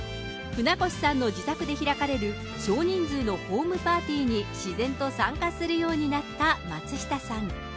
船越さんの自宅で開かれる、少人数のホームパーティーに自然と参加するようになった松下さん。